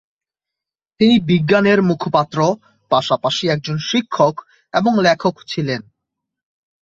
তিনি বিজ্ঞানের মুখপাত্র, পাশাপাশি একজন শিক্ষক এবং লেখক ছিলেন।